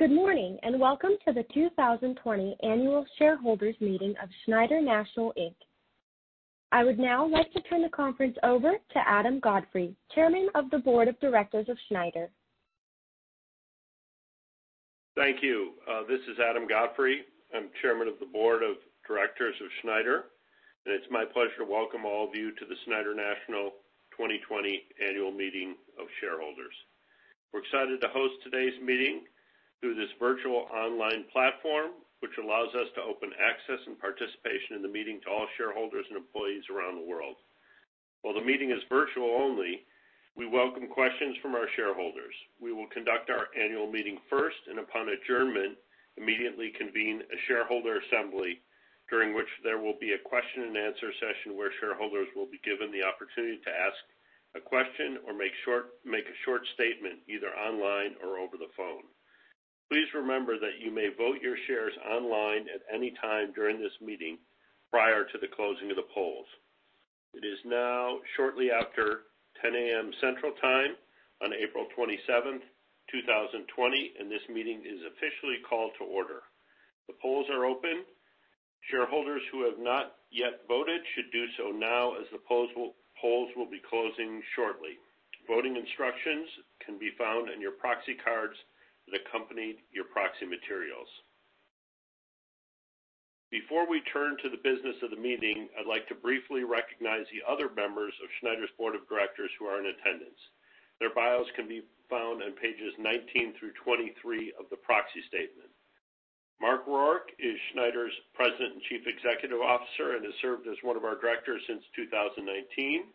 Good morning and welcome to the 2020 Annual Shareholders Meeting of Schneider National Inc. I would now like to turn the conference over to Adam Godfrey, Chairman of the Board of Directors of Schneider. Thank you. This is Adam Godfrey. I'm Chairman of the Board of Directors of Schneider, and it's my pleasure to welcome all of you to the Schneider National 2020 Annual Meeting of Shareholders. We're excited to host today's meeting through this virtual online platform, which allows us to open access and participation in the meeting to all shareholders and employees around the world. While the meeting is virtual only, we welcome questions from our shareholders. We will conduct our annual meeting first and, upon adjournment, immediately convene a shareholder assembly during which there will be a question-and-answer session where shareholders will be given the opportunity to ask a question or make a short statement either online or over the phone. Please remember that you may vote your shares online at any time during this meeting prior to the closing of the polls. It is now shortly after 10:00 A.M. Central Time on April 27th, 2020, and this meeting is officially called to order. The polls are open. Shareholders who have not yet voted should do so now as the polls will be closing shortly. Voting instructions can be found in your proxy cards that accompanied your proxy materials. Before we turn to the business of the meeting, I'd like to briefly recognize the other members of Schneider's Board of Directors who are in attendance. Their bios can be found on pages 19 through 23 of the proxy statement. Mark Rourke is Schneider's President and Chief Executive Officer and has served as one of our directors since 2019.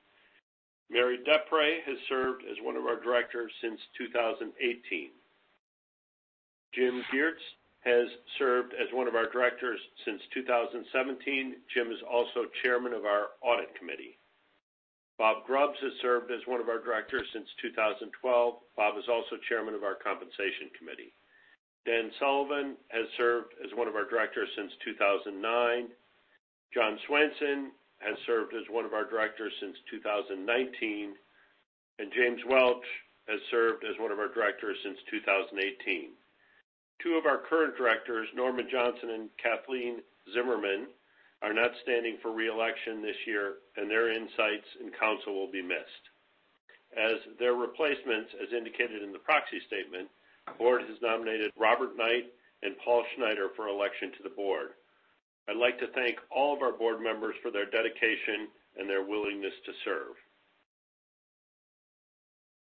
Mary DePrey has served as one of our directors since 2018. Jim Giertz has served as one of our directors since 2017. Jim is also Chairman of our Audit Committee. Bob Grubbs has served as one of our directors since 2012. Bob is also Chairman of our Compensation Committee. Dan Sullivan has served as one of our directors since 2009. John Swainson has served as one of our directors since 2019, and James Welch has served as one of our directors since 2018. Two of our current directors, Norman Johnson and Kathleen Zimmerman, are not standing for reelection this year, and their insights and counsel will be missed. As their replacements, as indicated in the proxy statement, the board has nominated Robert Knight and Paul Schneider for election to the board. I'd like to thank all of our board members for their dedication and their willingness to serve.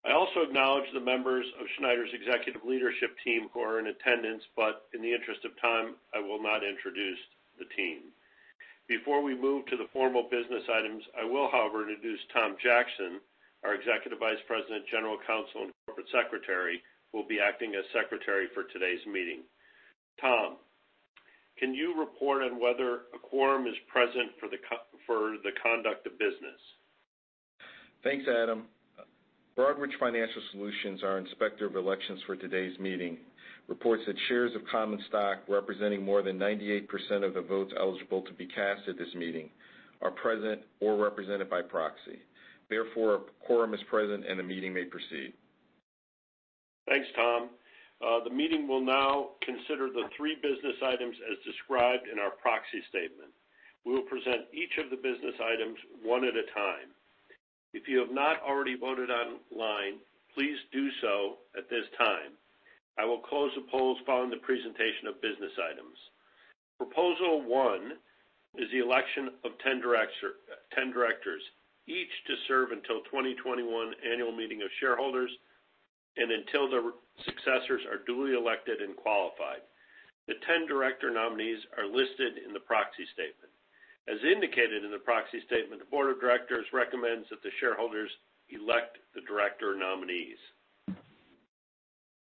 I also acknowledge the members of Schneider's Executive Leadership Team who are in attendance, but in the interest of time, I will not introduce the team. Before we move to the formal business items, I will, however, introduce Thom Jackson, our Executive Vice President, General Counsel, and Corporate Secretary, who will be acting as Secretary for today's meeting. Thom, can you report on whether a quorum is present for the conduct of business? Thanks, Adam. Broadridge Financial Solutions, our inspector of elections for today's meeting, reports that shares of common stock representing more than 98% of the votes eligible to be cast at this meeting are present or represented by proxy. Therefore, a quorum is present and the meeting may proceed. Thanks, Thom. The meeting will now consider the three business items as described in our proxy statement. We will present each of the business items one at a time. If you have not already voted online, please do so at this time. I will close the polls following the presentation of business items. Proposal one is the election of 10 directors, each to serve until 2021 Annual Meeting of Shareholders and until the successors are duly elected and qualified. The 10 director nominees are listed in the proxy statement. As indicated in the proxy statement, the Board of Directors recommends that the shareholders elect the director nominees.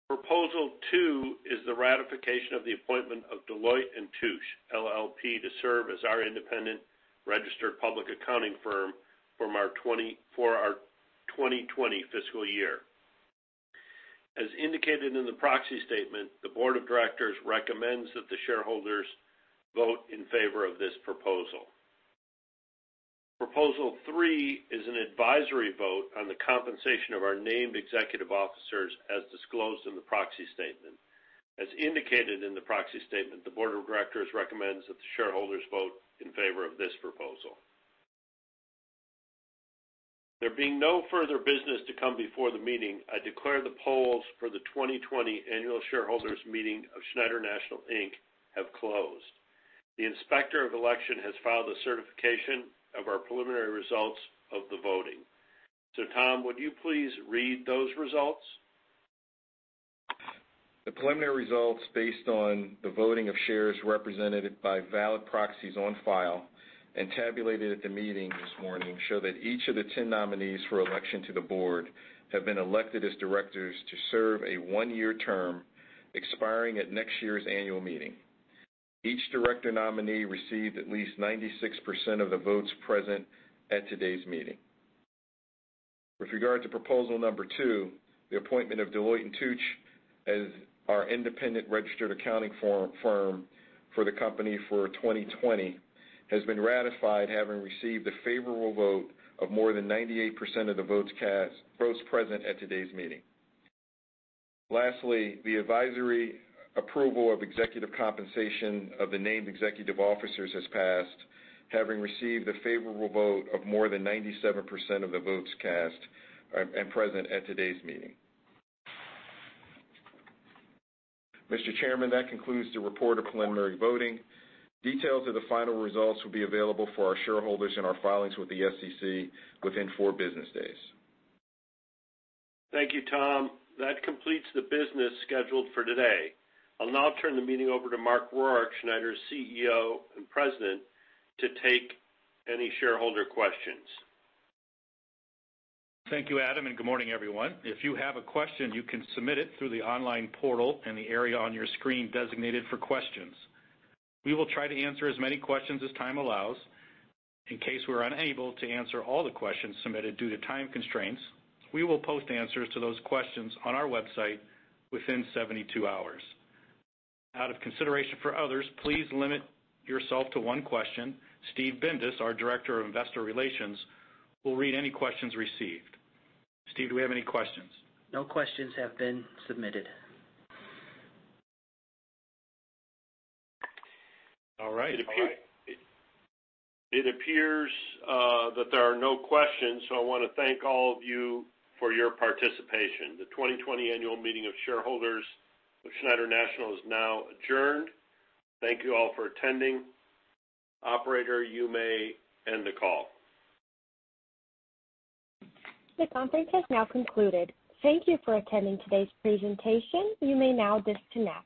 Proposal two is the ratification of the appointment of Deloitte & Touche, LLP, to serve as our independent registered public accounting firm for our 2020 fiscal year. As indicated in the proxy statement, the Board of Directors recommends that the shareholders vote in favor of this proposal. Proposal three is an advisory vote on the compensation of our named executive officers as disclosed in the proxy statement. As indicated in the proxy statement, the Board of Directors recommends that the shareholders vote in favor of this proposal. There being no further business to come before the meeting, I declare the polls for the 2020 Annual Shareholders Meeting of Schneider National Inc. have closed. The inspector of election has filed a certification of our preliminary results of the voting. So, Tom, would you please read those results? The preliminary results, based on the voting of shares represented by valid proxies on file and tabulated at the meeting this morning, show that each of the 10 nominees for election to the board have been elected as directors to serve a one-year term expiring at next year's annual meeting. Each director nominee received at least 96% of the votes present at today's meeting. With regard to proposal number two, the appointment of Deloitte & Touche as our independent registered accounting firm for the company for 2020 has been ratified having received a favorable vote of more than 98% of the votes present at today's meeting. Lastly, the advisory approval of executive compensation of the named executive officers has passed having received a favorable vote of more than 97% of the votes present at today's meeting. Mr. Chairman, that concludes the report of preliminary voting. Details of the final results will be available for our shareholders in our filings with the SEC within four business days. Thank you, Tom. That completes the business scheduled for today. I'll now turn the meeting over to Mark Rourke, Schneider's CEO and President, to take any shareholder questions. Thank you, Adam, and good morning, everyone. If you have a question, you can submit it through the online portal in the area on your screen designated for questions. We will try to answer as many questions as time allows. In case we're unable to answer all the questions submitted due to time constraints, we will post answers to those questions on our website within 72 hours. Out of consideration for others, please limit yourself to one question. Steve Bindas, our Director of Investor Relations, will read any questions received. Steve, do we have any questions? No questions have been submitted. All right. It appears that there are no questions, so I want to thank all of you for your participation. The 2020 Annual Meeting of Shareholders of Schneider National is now adjourned. Thank you all for attending. Operator, you may end the call. The conference has now concluded. Thank you for attending today's presentation. You may now disconnect.